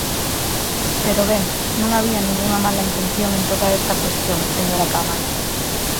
Pero, ben, non había ningunha mala intención en toda esta cuestión, señora Caamaño.